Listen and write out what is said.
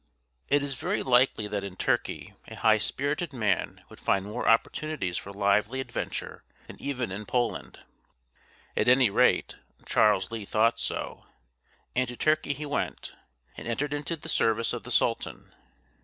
It is very likely that in Turkey a high spirited man would find more opportunities for lively adventure than even in Poland. At any rate, Charles Lee thought so; and to Turkey he went, and entered into the service of the sultan.